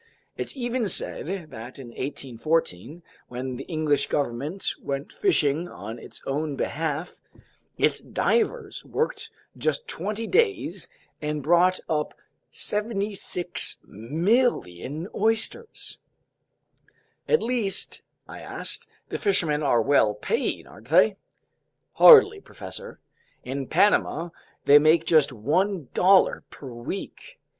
It's even said that in 1814, when the English government went fishing on its own behalf, its divers worked just twenty days and brought up 76,000,000 oysters." "At least," I asked, "the fishermen are well paid, aren't they?" "Hardly, professor. In Panama they make just $1.00 per week.